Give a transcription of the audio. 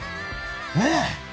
ねえ。